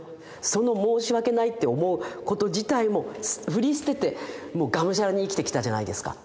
その申し訳ないって思うこと自体も振り捨ててもうがむしゃらに生きてきたじゃないですか。